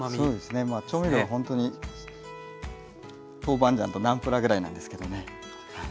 調味料はほんとにトーバンジャンとナンプラーぐらいなんですけどねはい。